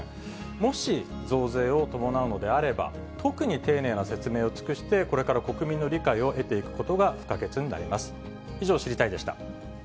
もし、増税を伴うのであれば、特に丁寧な説明を尽くして、これから国民の理解を得ていくことが不可欠になります。